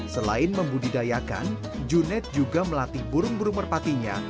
selain membudidayakan junet juga melatih burung burung merpatinya